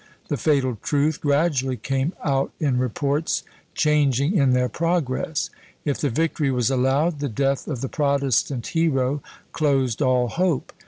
The fatal truth gradually came out in reports changing in their progress; if the victory was allowed, the death of the Protestant Hero closed all hope!